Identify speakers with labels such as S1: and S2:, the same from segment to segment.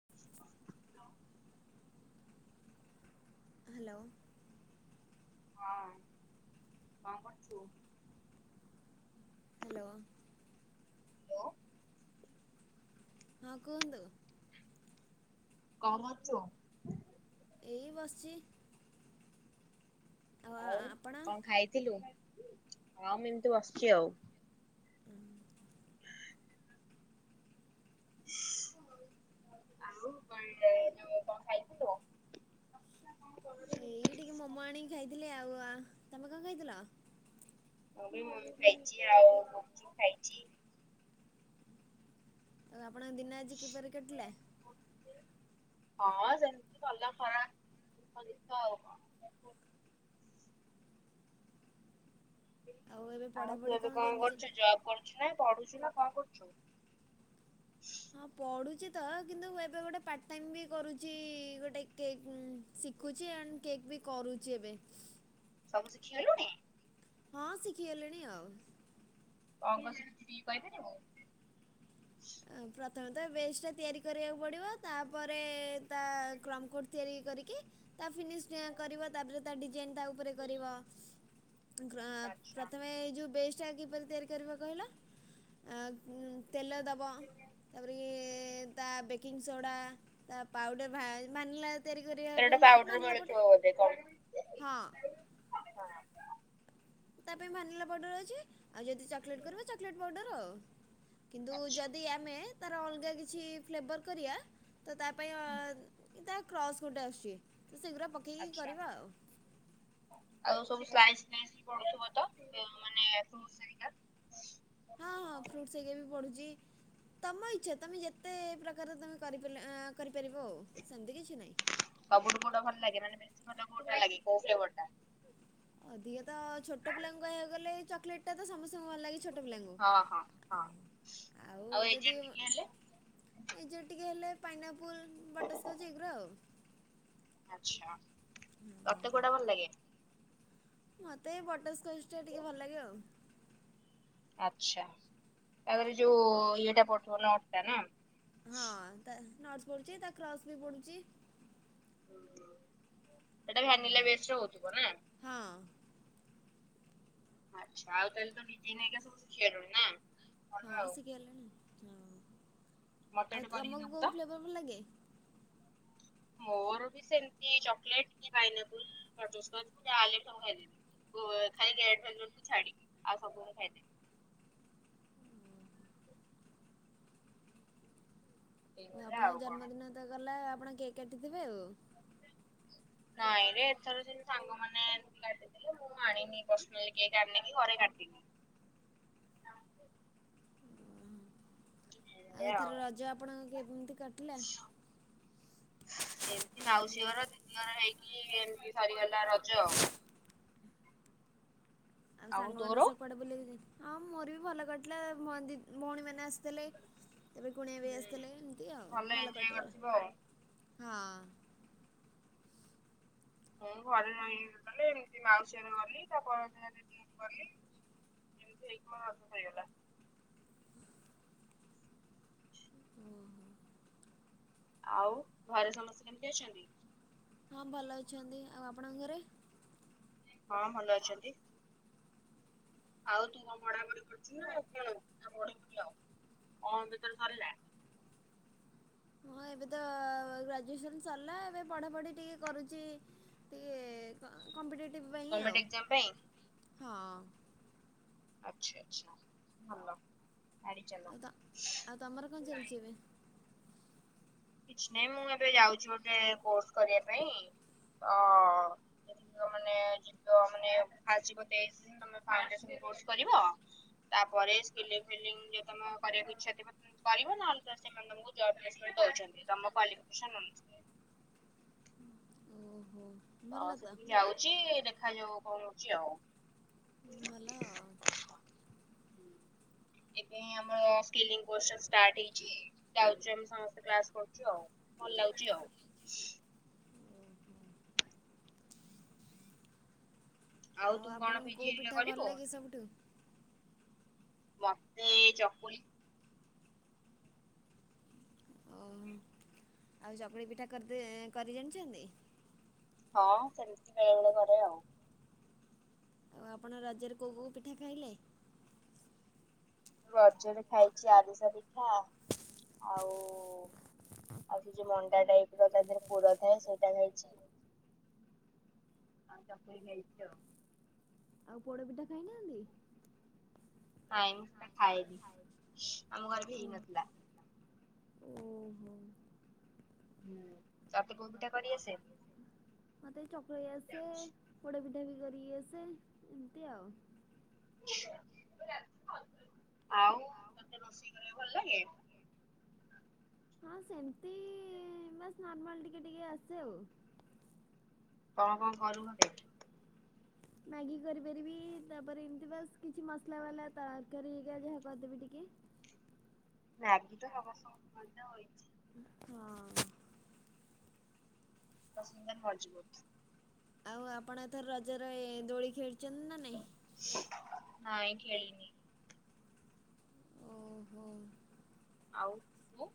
S1: [inaudible] Hello.
S2: [unintelligible]
S1: Hello.
S2: Hello.
S1: ହଁ କୁହନ୍ତୁ?
S2: କଣ କରୁଛୁ?
S1: ଏଇ ବସିଛି।
S2: ଆଉ କଣ ଖାଇଥିଲୁ ହଁ ମୁଁ ଏମିତି ବସିଛି ଆଉ ଆଉ [unintelligible]
S1: ଏଇ ଟିକେ ମୋମୋ ଆଣିକି ଖାଇଥିଲି ଆଉ। ଆ ତମେ କଣ ଖାଇଥିଲ?
S2: ମୁଁ ବି ମୁ ଖାଇଚି ଆଉ ମୁ ଖାଇଚି।
S1: ଆଉ ଆପଣଙ୍କ ଦିନ ଆଜି କିପରି କାଟିଲା?
S2: ହଁ ସେମତି କଲ ଖରାପ [unintelligible] ଆଉ। କଣ।
S1: ଆଉ ଏବେ
S2: ଆଉ ତୁ
S1: ପଢ଼ାପଢ଼ି
S2: ଏବେ କଣ
S1: କେମିତି ଚାଲି
S2: କରୁଚୁ ଜବ୍ କରୁଚୁ ନା ପଢୁଚୁ ନା କଣ କରୁଚୁ।
S1: ହଁ ପଢୁଚି ତ କିନ୍ତୁ ଏବେ ଗୋଟେ ପାର୍ଟ ଟାଇମ ବି କରୁଚି ଗୋଟେ କେ ଶିକୁଚି ଆଣ୍ଡ କେକ୍ ବି କରୁଚି ଏବେ।
S2: ସବୁ ଶିଖିଗଲୁଣି?
S1: ହଁ ଶିଖିଗଲିଣି ଆଉ।
S2: କଣ ଙ୍କ ଶିଖି କହିପାରିବୁ?
S1: ପ୍ରଥମେତ ବେସ ଟା ତିଆରି କରିବାକୁ ପଡ଼ିବ ତାପରେ ତା କ୍ରମକୋଡ଼ ତିଆରି କରିକି ତା ଫିନିଶ ଟ କରିବ ତାପରେ ତା ଡିଜାଇନ ତା ଉପରେ କରିବ। ଅ
S2: ଆଚ୍ଛା।
S1: ପ୍ରଥମେ ଏ ଯୋଉ ବେସ [unintelligible] କିପରି ତିଆରି କରିବ କହିଲ? ଅ ଉ ତେଲ ଦ ବ ତାପରେ ଇଏ ତା ବେକିଂ ସୋଡ଼ା ତା ପାଉଡ଼ର [unintelligible] ତିଆରି
S2: ତାର
S1: କରିବାକୁ
S2: ଗୋଟେ
S1: ହେଲେ
S2: ପାଉଡର
S1: ମାନିଲା ପଟ
S2: ମିଳୁଥିବ ବୋଧେ କଣ?
S1: ହଁ। ତା ପାଇଁ ଭାନିଲା ପାଉଡ଼ର ଅଛି ଆଉ ଯଦି ଚକଲେଟ୍ କରିବ ଚକଲେଟ୍ ପାଉଡ଼ର ଆଉ। କିନ୍ତୁ
S2: ଆଚ୍ଛା
S1: ଯଦି ଆମେ ତାର ଅଲଗା କିଛି ଫ୍ଲେବର୍ କରିବା ତ ତା ପାଇଁ ତା କ୍ରସ୍ ଗୋଟେ ଆସୁଛି ତ ସେଗୁଡ଼ା ପକେଇକି
S2: ଆଚ୍ଛା
S1: କରିବା ଆଉ।
S2: ଆଉ ସବୁ ସ୍ଲାଇସ [unintelligible] ପୁଡୁଥିବ ତ ଏ ମାନେ ଫ୍ରୁଟସ ହେରିକା?
S1: ହଁ ହଁ ଫ୍ରୁଟସ ହେଇକା ବି ପଡୁଚି ତମ ଇଛା ତମେ ଯେତେ ପ୍ରକାର ତମେ କରିପାରିଲ ଆ କରିପାରିବ ଆଉ ସେମତି କିଛି ନାହିଁ।
S2: ସବୁଠୁ କୋଉଟା ଭଲ ଲାଗେ ମାନେ ବେଶୀ ଭଲ କୋଉଟା ଲାଗେ କଉ ଫ୍ଲେବର ଟା?
S1: ଅଧିକା ତ ଛୋଟ ପିଲାଙ୍କୁ କହିବାକୁ ଗଲେ ଏ ଚକଲେଟ ଟା ତ ସମସ୍ତଙ୍କୁ ଭଲ ଲାଗେ ଛୋଟ ପିଲାଙ୍କୁ।
S2: ହଁ ହଁ ହଁ
S1: ଆଉ ଯଦି
S2: ଏଜେଡ୍
S1: ଏ
S2: ଟିକେ ହେଲେ
S1: ଯେ ଟିକିେ ହେଲେ ପାଇନଆପୁଲ୍ ବଟରସ୍କଚ୍ ଏଇଗୁରା ଆଉ।
S2: ଆଛା। ତତେ କୋଉଟା ଭଲ ଲାଗେ?
S1: ମତେ ବଟର ସ୍କଚ ଟା ଟିକେ ଭଲ ଲାଗେ ଆଉ।
S2: ଆଚ୍ଛା। ତାଧିରେ ଯୋଉ ଇଏଟା ପଡୁଥିବ ନଟ ଟା ନା?
S1: ହଁ ତା ନଟ ପଡୁଚି ତା କ୍ରସ୍ ବି ପଡୁଚି।
S2: ଏଟା ଭାନିଲେ ବଷ୍ଟରେ ହଉଥିବ ନା?
S1: ହଁ।
S2: ଆଚ୍ଛା ଆଉ ତାହେଲେ ତୁ [unintelligible] ସବୁ ଶିଖିଲୁଣି ନା? ଭଲ
S1: ହଁ
S2: ଆଉ
S1: ଶିଖିଗଲାଣି ହଁ।
S2: ମତେ
S1: ଆଉ
S2: ଗୋଟେ କରିକି
S1: ତମକୁ
S2: ଦବୁ ତ?
S1: କୋଉ ଫ୍ଲେବର ଭଲ ଲାଗେ?
S2: ମୋର ବି ସେମିତି ଚକଲେଟ କି ପାଇନାପଲ ବଟରସ୍କଚ ଜାଲେ ସବୁ ଖାଇଦେବି। ଗୋ ଖାଲି ରେଡ ଭେଲବେଟ କୁ ଛାଡିକି ଆଉ ସବୁ ମୁ ଖାଇଦେବି। ଏଇଭଳିଆ ଆଉ
S1: ଆପଣଙ୍କ
S2: କଣ।
S1: ଜନ୍ମଦିନ ତ ଗଲା ଆପଣ କେକ୍ କାଟିଥିବେ ଆଉ।
S2: ନାଇଁରେ ଏଥର ଯେମିତି ସାଙ୍ଗମାନେ କାଟି ଲେ ମୁଁ ଆଣିନି ପର୍ସନାଲି କେକ୍ ଆଣିନି କି ଘରେ କାଟିନି।
S1: ଆଉ ଏଥର ରଜ ଆପଣଙ୍କ କେମିତି କାଟିଲା?
S2: ଏମତି ମାଉସୀ ଘର ଦିଦିଘର ହେଇକି ଏମତି ସରିଗଲା ରଜ ଆଉ।
S1: ଆଉ ସାଙ୍ଗ ମାନ ସ କୁଆଡେ ବୁଲିଆକୁ ଯାଇଥିଲ? ହଁ ମୋର ବି ଭଲ କରିଥିଲା। ମୋ ଦି ଭଉଣୀ ମାନେ ଆସିଥିଲେ। ଏବେ କୁଣିଆ ବି
S2: ହୁଁ
S1: ଆସିଥିଲେ ଏମିତି ଆଉ ଭଲ
S2: ଏଞ୍ଜୟ କରିଥିବ ଆଉ।
S1: କଟିଗଲା ହଁ।
S2: ମୁଁ ଘରେ ରହି ଗଲେ ଏମିତି ମାଉସୀଆରେ ଗଲି ତା ପରଦିନ [unintelligible] ଗଲି ଏମିତି ହେଇକି କଁ ଅଧା ଖାଇଗଲା।
S1: ଓହୋ।
S2: ଆଉ ଘରେ ସମସ୍ତେ କେମତି ଅଛନ୍ତି।
S1: ହଁ ଭଲ ଅଛନ୍ତି ଆଉ ଆପଣଙ୍କ ଘରେ।
S2: ହଁ, ଭଲ ଅଛନ୍ତି। ଆଉ ତୁ କଁ ପଢା ପଢି କରୁଚୁ ନା କଣ ନା ପଢିବୁନି ଆଉ ଓ ଆ ଭିତରେ ସରିଲା।
S1: ହଁ, ଏବେ ତ ଗ୍ରାଜୁଏସନ୍ ସରିଲା। ଏବେ ପଢ଼ାପଢ଼ି ଟିକେ କରୁଛି। କ କମ୍ପିଟେଟିଭ୍ ପାଇଁ
S2: ଗମେଣ୍ଟ
S1: ଆଉ
S2: ଏକ୍ଜାମ ପାଇଁ
S1: ହଁ।
S2: ଆଚ୍ଛା-ଆଚ୍ଛା ଭଲ ମାଡ଼ି
S1: ଆଉ
S2: ଚାଲ।
S1: ତ ଆଉ ତମର କଣ ଚାଲିଛି ଏବେ
S2: କିଛି ନାହିଁ, ମୁଁ ଏବେ ଯାଉଛି ଗୋଟେ କୋର୍ସ କରିବା ପାଇଁ ତ। ମାନେ ଯୀବ ମାନେ ଯିବ [unintelligible] ତାପରେ ସ୍କିଲିଂ-ଫିଲିଂ ଯଦି ତମେ କରିବାକୁ ଇଚ୍ଛା ପୂରଣ ଥିବ କରିବ ନହଲେ ତ ସେମାନେ। ତମକୁ ଜବ୍ ଲେଟର ଦଉଛନ୍ତି ତମ କ୍ୱାଲିଫିକେସନ ଅନୁସାରେ।
S1: ଓହୋ।
S2: ତ ସେଠିକି ଯାଉଛି ଦେଖାଯାଉ କଣ ହଉଛି ଆଉ।
S1: ହୁଁ ଭଲ ଆଉ।
S2: ଏବେ ଆମର ସ୍କିଲ‍ଂ ପୋରସନ ଷ୍ଟାଟ ହେଇଛି। ଯାଉଛୁ ଆମେ ସମସ୍ତେ କ୍ଲାସ କରୁଛୁ ଆଉ ଭଲ ଲାଗୁଛି ଆଉ।
S1: ଆଉ
S2: ତୁ କଣ
S1: ଆପଣଙ୍କୁ
S2: ପିଜି
S1: କୋଉ
S2: ହେରିକା
S1: ପିଠା ଭଲ
S2: କରିବୁ?
S1: ଲାଗେ ସବୁଠୁ।
S2: ମତେ ଚକୁଳି।
S1: ଓ ହୋ ଆଉ ଚକୁଳି ପିଠା କରିତେ, କରି ଜାଣିଛନ୍ତି?
S2: ହଁ ସେମିତି ବେଳେ ବେଳେ କରେ ଆଉ।
S1: ଆଉ, ଆପଣ ରଜରେ କୋଉ କୋଉ ପିଠା ଖାଇଲେ?
S2: ମୁଁ ରଜରେ ଖାଇଛି ଆରିସା ପିଠା‌ ଆଉ। ଆଉ, ସେ ଯୋଉ ମଣ୍ଡା ଟାଇପ ର ତା ଦେହରେ ପୁର ଥାଏ ସେଇଟା ଖାଇଛି। ଆଉ ଚକୁଳି ଖାଇଛି ଆଉ।
S1: ଆଉ ପୋଡ ପିଠା ଖାଇ ନାହାନ୍ତି?
S2: ନାଇଁ ମୁଁ ସେଟା ଖାଏନି, ଆମ ଘରେ ବି ହେଇନଥିଲା।
S1: ଓ ହୋ।
S2: ହୁଁ ତତେ କୋଉ ପିଠା କରିଆସେ।
S1: ମତେ ଚକୁଳି ଆସେ, ପୋଡ ପିଠା ବି କରିଆସେ, ଏମିତି ଆଉ।
S2: ଆଉ, ତତେ ରୋଷେଇ କରିବାକୁ ଭଲ ଲାଗେ?
S1: ହଁ ସେମିତି ବାସ୍ ନର୍ମାଲ ଟିକେ ଟିକେ ଆସେ ଆଉ।
S2: କଁ କଁ କରୁ ଘରେ।
S1: ମ୍ୟାଗି କରି ପାରିବି, ତାପରେ ଏମତି ବାସ କିଛି ମସଲା ବାଲା ତରକାରୀ ହେଇଗା ଯାହା କରିଦେବି ଟିକେ।
S2: ମ୍ୟାଗି ତ ସମସ୍ତଙ୍କୁ କରିତେ ହୋଇ।
S1: ହଁ।
S2: ସସ୍ତା ସୁନ୍ଦର ମଝବୁତ।
S1: ଆଉ, ଆପଣ ଏଥର ରଜରେ ଦୋଳି ଖେଳିଛନ୍ତି ନା ନାଇଁ।
S2: ନାଇ ଖେଳିିନି।
S1: ଓହୋ।
S2: ଆଉ। ତୁ?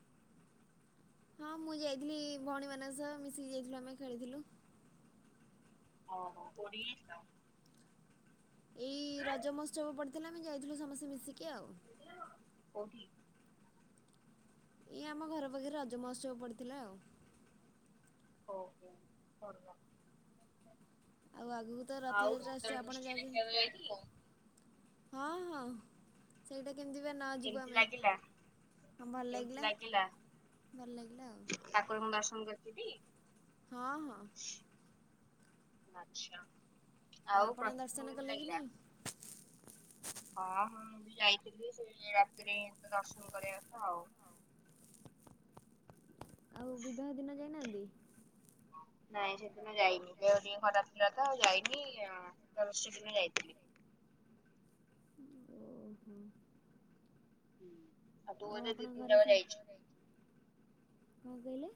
S1: ହଁ ମୁଁ ଯାଇଥିଲି ଭଉଣୀ ମାନଙ୍କ ସହ, ମିଶିକି ଯାଇଥିଲୁ ଆମେ ଖେଳିଥିଲୁ।
S2: ଓ ହୋ କୋଉଠିକି ଯାଇଥିଲ‌।
S1: ଏଇ ରଜ ମହୋତ୍ସବ ପଡ଼ିଥିଲା, ଆମେ ଯାଇଥିଲୁ ସମସ୍ତେ ମିଶିକି ଆଉ।
S2: କୋଉଠି।
S1: ଇଏ ଆମ ଘର ପାଖରେ ରଜ ମହୋତ୍ସବ ପଡିଥିଲା ଆଉ।
S2: ଓହ [unintelligible]
S1: ଆଉ, ଆଗକୁ ତ
S2: ଆଉ
S1: ରଥଯାତ୍ରା
S2: ଶୀତଳ
S1: ଆସୁଛି ଆପଣ
S2: ଦୃଷ୍ଟି ଦେଖିବାକୁ
S1: ଯାଉଛନ୍ତି?
S2: ଯାଇଥିଲୁ?
S1: ହଁ-ହଁ, ସେଇଟା କେମିତି ବା ନ ଯିବୁ
S2: କେମିତି
S1: ଆମେ।
S2: ଲାଗିଲା?
S1: ହଁ! ଭଲ ଲାଗିଲା? ଭଲ ଲାଗିଲା ଆଉ।
S2: ଠାକୁରଙ୍କୁ ଦର୍ଶନ କର୍ଚୁଟି?
S1: ହଁ-ହଁ!
S2: ଆଛା ଆଉ [unintelligible]
S1: ଆପଣ ଦର୍ଶନ
S2: କେମିତି
S1: କଲେ କି
S2: ଲାଗିଲା
S1: ନାହିଁ
S2: ହଁ ହଁ ମୁଁ ଯାଇଥିଲି ସେ ରାତିରେ ଦର୍ଶନ କରିବା କଥା ଆଉ।
S1: ଆଉ ବିବାହ ଦିନ ଯାଇନାହାନ୍ତି।
S2: [inaudible] ନାଇଁ ସେଦିନ ଯାଇନି ଦେହ ଟିକେ ଖରାପ ଥିଲା ତ ଆଉ ଯାଇନି ତାରି ସେଦିନ ଯାଇଥିଲି।
S1: ଓ-ହୋ
S2: ତୁ
S1: ଆଉ
S2: ବୋଧେ ଦି
S1: ଆପଣଙ୍କ
S2: ଦିନ
S1: ଘରେ
S2: ଯାକ
S1: ସ
S2: ଯାଇଛୁ
S1: [unintelligible] କଣ କହିଲେ।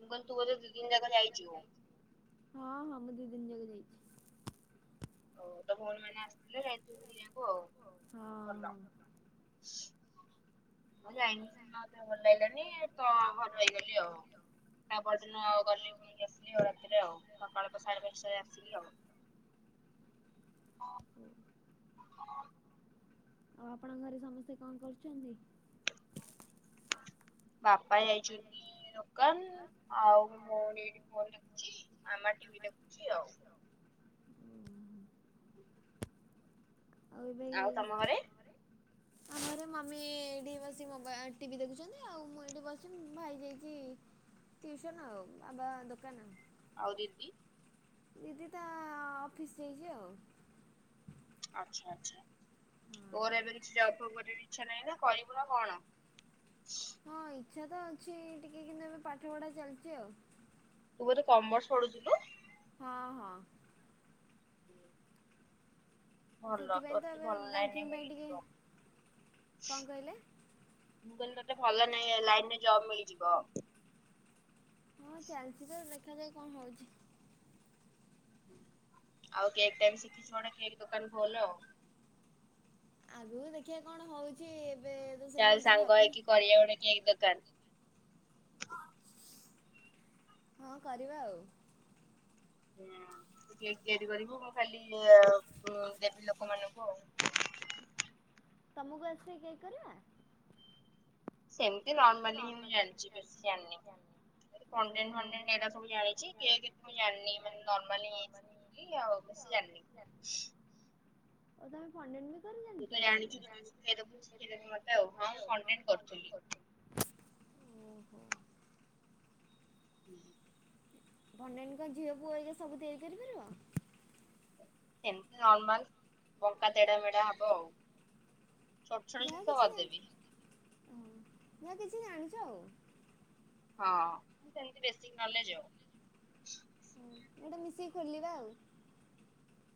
S2: ମୁଁ କହିଲି ତୁ ବୋଧେ ଦିଦିନି ଯାକ ଯାଇଚୁ।
S1: ହଁ ହଁ ମୁଁ ଦିଇ ଦିନ ଯାକ ଯାଇଛି।
S2: ହଉ ତୋ ଭଉଣୀ ମାନେ ଆସିଥିଲୁ ତୁ ବୁଲିବାକୁ ଆଉ ଭଲ।
S1: ହଁ
S2: [inaudible] ମୁଁ ଯାଇନି ସେ ଦିନ ମା ଦେହ ଭଲ ଲାଗିଲାନି ତ ଘରେ ରହିଗଲି ଆଉ। ତା ପରଦିନ ଆଉ ଗଲି ବୁଲି କି ଆସିଲି ଆଉ ରାତିରେ ଆଉ ସକାଳ ତ ସାଢେ ପାଞ୍ଚଟାରେ ଆସିଲି ଆଉ।
S1: [inaudible] ଆଉ ଆପଣଙ୍କ ଘରେ ସମସ୍ତେ କଣ କରୁଛନ୍ତି?
S2: ବାପା ଯାଇଛନ୍ତି ଦୋକାନ ଆଉ ଭଉଣୀ ଏଠି ପଢୁ଼ଛି ମାମା ଟିଭି ଦେଖୁଛି ଆଉ।
S1: ଆଉ ଏବେ ଇ
S2: ତମ ଘରେ
S1: ଆମର ମମି ଏଇଠି ବସି ମୋ ବା ଟିଭି ଦେଖୁଛନ୍ତି ଆଉ ମୁଁ ଏଇଠି ବସି ଭାଇ ଯାଇଛି। ଟିଉସନ୍ ଆଉ ବାବା ଦୋକାନ।
S2: ଆଉ ଦିଦି।
S1: ଦିଦି ତା ଅଫିସ୍ ଯାଇଛି ଆଉ।
S2: ଆଚ୍ଛା ଆଚ୍ଛା। ତୋର ଏବେ କିଛି ଜବ୍ ଫବ୍ କରିବ ଇଚ୍ଛା ନାହିଁ ନା କରିବୁ ନା କଣ।
S1: ହଁ ଇଚ୍ଛା ତ ଅଛି ଟିକେ କିନ୍ତୁ ଏବେ ପାଠ ପଢ଼ା ଚାଲିଛି ଆଉ।
S2: ତୁ ବୋଧେ କମର୍ସ ପଢୁଥିଲୁ।
S1: ହଁ- ହଁ
S2: ଭଲ
S1: ସେଥିପାଇଁ ତ
S2: ତୋତେ
S1: ଏବେ
S2: ଭଲ ଲାଇନ୍
S1: ବ୍ୟାଙ୍କିଙ୍ଗ ପାଇଁ ଟିକେ
S2: ମିଳିଯିବ।
S1: କଣ କହିଲେ
S2: ମୁଁ କହିଲି ତୋତେ ଭଲ ନାଇ ଲାଇନ୍ ରେ ଜବ୍ ମିଳିଯିବ।
S1: ହଁ ଚାଲିଛି ତ ଦେଖା ଯାଉ କଣ ହଉଛି।
S2: ଆଉ କେକ୍ ଟା ବି ଶିଖିଛୁ ଗୋଟେ କେକ୍ ଦୋକାନ ଖୋଲେ ଆଉ।
S1: ଆଗରୁ ଦେଖିବା କଣ ହଉଛି ଏବେ ତ ସେମିତି
S2: ଚାଲେ
S1: କିଛି
S2: ସାଙ୍ଗ
S1: ଭାବିନି
S2: ହେଇକି କରିବା ଗୋଟେ କେକ୍ ଦୋକାନ।
S1: ହଁ କରିବା ଆଉ।
S2: ହୁଁ ତୁ କେକ୍ ତିଆରି କରିବୁ ମୁଁ ଖାଲି [unintelligible] ଦେବି ଲୋକମାନଙ୍କୁ ଆଉ।
S1: ତମକୁ ଆସେ କେକ୍ କରିବା।
S2: ସେମିତି ନର୍ମାଲି ହିଁ ମୁଁ ଜାଣିଛି ବେଶୀ ଜାଣିନି। କନ୍ ଡେନ୍ ଫନ୍ ଡେନ୍ ଏଗୁଡ଼ା ସବୁ ଜାଣିଛି କେକ୍ କଣ ଜାଣିନି ମାନେ ନର୍ମାଲି ଏଇ ଆଉ ବେଶି ଜାଣିନି।
S1: [unintelligible] ସତରେ ଜାଣିଛ
S2: ତୁ ତ
S1: ତା
S2: ଜାଣିଛୁ ତୁ
S1: ହେଲେ
S2: ଟିକେ ଶିଖେଇଦବୁ ଶିଖେଇଦେବୁ ମତେ ଆଉ ହଁ ମୁଁ କଣ୍ଟେଣ୍ଟ କରୁଥିଲି।
S1: [unintelligible]
S2: [inaudible]
S1: ଭଣ୍ଡେଣ୍ଡ ଙ୍କ ଝିଅ ପୁଅ ହରିଆ ସବୁ ତିଆରି କରିପାରିବ।
S2: ଏମତି ନର୍ମାଲ ବଙ୍କା ତେଢ଼ା ମେଢା଼ ହବ ଆଉ। ଛୋଟ ଛୋଟ ଜିନିଷ
S1: ଯାହା କିଛି ଜାଣି
S2: କରିଦେବି
S1: ହ ଯାହା କିଛି ଜାଣିଛ ଆଉ।
S2: ହଁ ସେମତି ବେଶିକ୍ ନଲେଜ୍ ଆଉ।
S1: ହୁଁ ଗୋଟେ ମିଶିକି ଖୋଲିବା ଆଉ।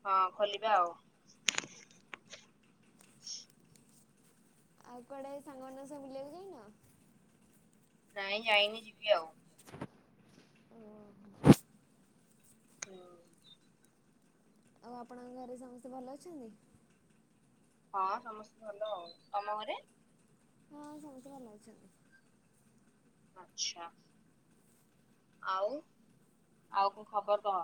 S2: ହଁ ଖୋଲିବା ଆଉ।
S1: ଆଉ କୁଆଡ଼େ ଏଇ ସାଙ୍ଗ ମାନଙ୍କ ସହ ବୁଲିବାକୁ ଯାଇନ।
S2: ନାଇଁ ଯାଇନି ଯିବି ଆଉ।
S1: [inaudible] ହୁଁ।
S2: ହୁଁ।
S1: ଆଉ ଆପଣଙ୍କ ଘରେ ସମସ୍ତେ ଭଲ ଅଛନ୍ତି।
S2: ହଁ ସମସ୍ତେ ଭଲ ଆଉ ତମ ଘରେ।
S1: ହଁ ସମସ୍ତେ ଭଲ ଅଛନ୍ତି।
S2: ଆଛା। ଆଉ ଆଉ କଣ ଖବର କହ।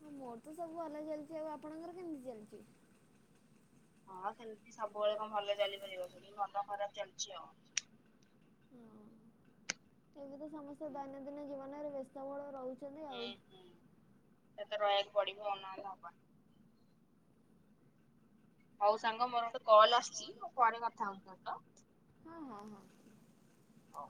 S1: ହଁ ମୋର ତ ସବୁ ଭଲ ଚାଲିଚି ଆଉ ଆପଣଙ୍କର କେମିତି ଚାଲିଚି।
S2: ହଁ ସେମିତି ସବୁବେଳେ କଣ ଭଲ ଚାଲିପାରିବ ସେ ଠି ଭଲ ଖରାପ ଚାଲିଛି ଆଉ।
S1: ହଁ ଏବେ ତ ସମସ୍ତେ
S2: ହୁଁ
S1: ଦୈନନ୍ଦିନ ଜୀବନରେ ବ୍ୟସ୍ତବହୁଳ ରହୁଛନ୍ତି ଆଉ।
S2: ଏତେ ରହିବାକୁ ପଡିବ ନହେଲେ ହବନି। ହଉ ସାଙ୍ଗ ମୋର ଗୋଟେ କଲ ଆସିଛି ମୁଁ ପରେ କଥା ହଉଛି ତୋ ସହିତ।
S1: ହଁ ହଁ ହଁ।
S2: ହଉ।